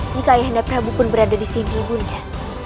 jika ayah anda prabu pun berada di sini ibunda